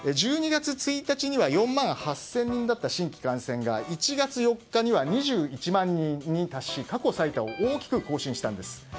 １２月１日には４万８０００人だった新規感染が１月４日には２１万人に達し過去最多を大きく更新したんです。